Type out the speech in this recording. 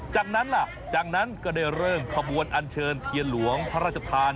จากนั้นล่ะจากนั้นก็ได้เริ่มขบวนอันเชิญเทียนหลวงพระราชทาน